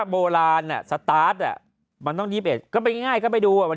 โบราณอ่ะสตาร์ทอ่ะมันต้อง๒๑ก็เป็นง่ายก็ไปดูอ่ะวัน